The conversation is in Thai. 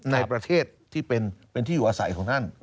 ในประเทศที่เป็นที่อยู่อาศัยของท่าน